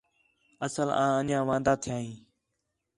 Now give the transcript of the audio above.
اصل آں انڄیاں واندا تھیاں ہیں